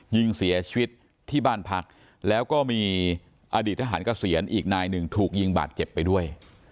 ยิงเสียชีวิตที่บ้านพักแล้วก็มีอดีตทหารเกษียณอีกนายหนึ่งถูกยิงบาดเจ็บไปด้วย